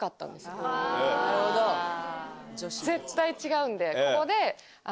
絶対違うんでここで。